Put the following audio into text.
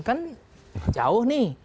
kan jauh nih